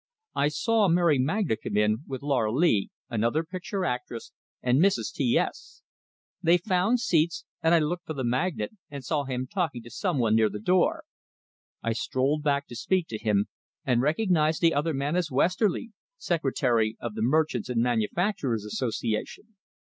I saw Mary Magna come in, with Laura Lee, another picture actress, and Mrs. T S. They found seats; and I looked for the magnate, and saw him talking to some one near the door. I strolled back to speak to him, and recognized the other man as Westerly, secretary of the Merchants' and Manufacturers' Association.